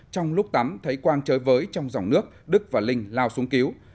trong lúc tắm thấy quang chơi với trong dòng nước đức và linh lao xuống cứu